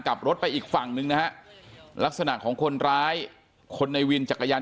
กลับรถไปอีกฝั่งหนึ่งนะฮะลักษณะของคนร้ายคนในวินจักรยาน